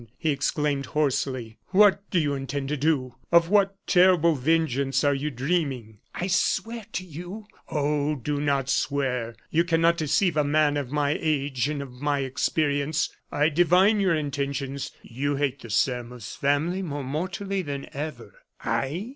he exclaimed, hoarsely, "what do you intend to do? Of what terrible vengeance are you dreaming?" "I swear to you " "Oh! do not swear. You cannot deceive a man of my age and of my experience. I divine your intentions you hate the Sairmeuse family more mortally than ever." "I?"